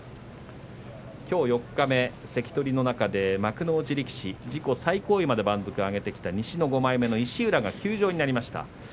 きょう四日目、関取の中で幕内力士、自己最高位まで番付を上げてきた西の５枚目石浦が休場になりました。